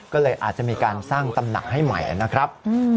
ก็เลยอาจจะมีการสร้างตำหนักให้ใหม่นะครับ